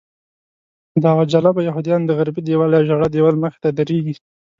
دعوه جلبه یهودیان د غربي دیوال یا ژړا دیوال مخې ته درېږي.